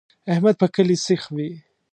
احمد په کلي سیخ وي.